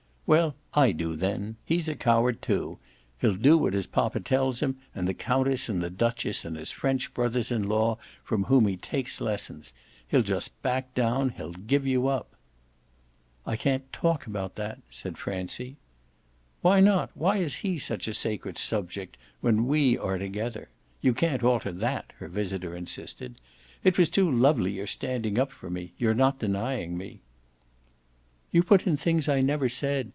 "Well I do then. He's a coward too he'll do what his poppa tells him, and the countess and the duchess and his French brothers in law from whom he takes lessons: he'll just back down, he'll give you up." "I can't talk with you about that," said Francie. "Why not? why is he such a sacred subject, when we ARE together? You can't alter that," her visitor insisted. "It was too lovely your standing up for me your not denying me!" "You put in things I never said.